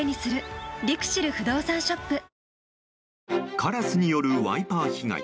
カラスによるワイパー被害。